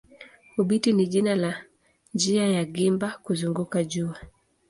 Obiti ni jina la njia ya gimba kuzunguka jua.